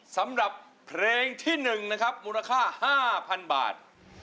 สำหรับเพลงที่๑นะครับมูลค่า๕๐๐๐บาท